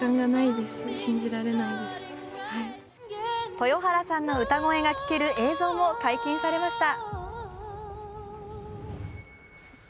豊原さんの歌声が聞ける映像も解禁されました。